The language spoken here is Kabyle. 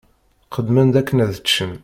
Qqedmen-d akken ad ččen.